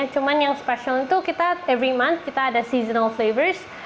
cuma yang spesial itu setiap bulan kita ada seasonal flavors